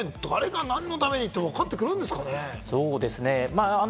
今後、誰が何のために？ってわかってくるんですかね？